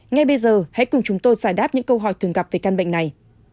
ngay bây giờ hãy cùng chúng tôi giải đáp những câu hỏi thường gặp về căn bệnh này